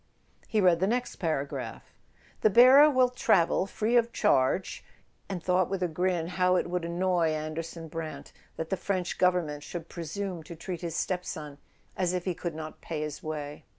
He read the next paragraph: "The bearer will travel free of charge " and thought with a grin how it would annoy Anderson Brant that the French govern A SON AT THE FRONT ment should presume to treat his stepson as if he could not pay his way.